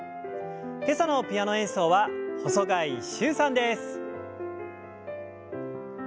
今朝のピアノ演奏は細貝柊さんです。